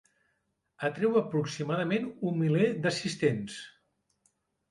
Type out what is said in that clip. Atreu aproximadament un miler d'assistents.